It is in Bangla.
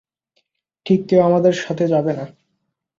ঠিক, কেউ আমাদের সাথে যাবে না।